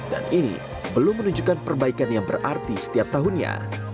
dan ini belum menunjukkan perbaikan yang berarti setiap tahunnya